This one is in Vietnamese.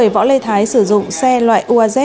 võ lê thái sử dụng xe loại uaz